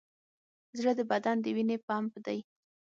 زړه د بدن د وینې پمپ دی.